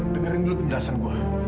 dengerin dulu penjelasan gue